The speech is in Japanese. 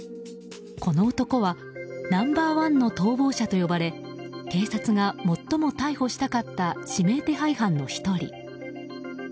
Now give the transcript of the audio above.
この男はナンバー１の逃亡者と呼ばれ警察が最も逮捕したかった指名手配犯の１人。